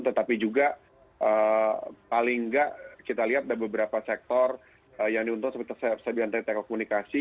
tetapi juga paling enggak kita lihat ada beberapa sektor yang diuntung seperti sebiantai telekomunikasi